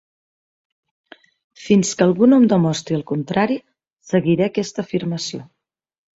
Fins que algú no em demostri el contrari, seguiré aquesta afirmació.